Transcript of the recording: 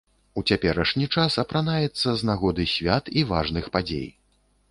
У цяперашні час апранаецца з нагоды свят і важных падзей.